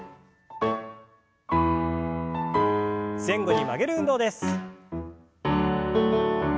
前後に曲げる運動です。